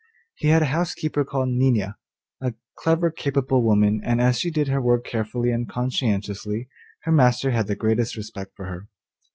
He had a housekeeper called Nina, a clever capable woman, and as she did her work carefully and conscientiously, her master had the greatest respect for her.